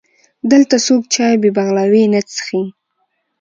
دلته څوک چای بې بغلاوې نه څښي.